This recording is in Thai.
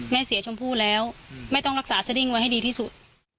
แม่เสียชมพู่แล้วแม่ต้องรักษาสดิ้งไว้ให้ดีที่สุด